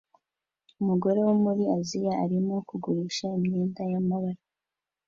Umugore wo muri Aziya arimo kugurisha imyenda y'amabara